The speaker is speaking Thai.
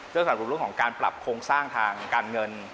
สนับสนุนเรื่องของการปรับโครงสร้างทางการเงิน